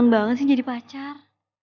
banget sih jadi pacar